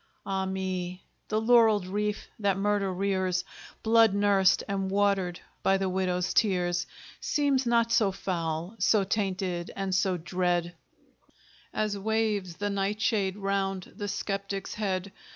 Ah me! the laureled wreath that Murder rears, Blood nursed, and watered by the widow's tears, Seems not so foul, so tainted, and so dread, As waves the nightshade round the skeptic's head.